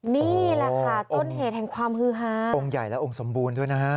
นี่แหละค่ะต้นเหตุแห่งความฮือฮาองค์ใหญ่และองค์สมบูรณ์ด้วยนะฮะ